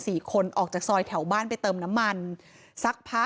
เหตุการณ์เกิดขึ้นแถวคลองแปดลำลูกกา